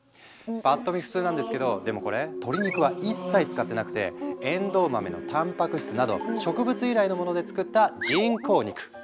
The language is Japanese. パッと見普通なんですけどでもこれ鶏肉は一切使ってなくてえんどう豆のたんぱく質など植物由来のもので作った人工肉。